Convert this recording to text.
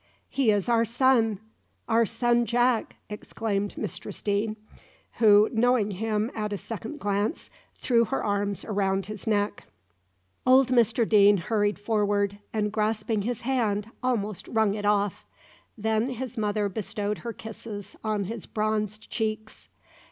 "He is our son our son Jack!" exclaimed Mistress Deane, who, knowing him at a second glance, threw her arms round his neck. Old Mr Deane hurried forward, and grasping his hand, almost wrung it off. Then his mother bestowed her kisses on his bronzed cheeks.